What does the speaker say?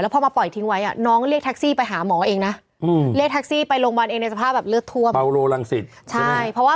ยึดรถเข้าไปแล้วค่ะ